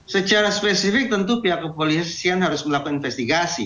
secara spesifik tentu pihak kepolisian harus melakukan investigasi